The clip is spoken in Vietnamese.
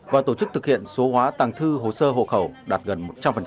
và tổ chức thực hiện số hóa tàng thư hồ sơ hộ khẩu đạt gần một trăm linh